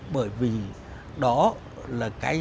bởi vì đó là cái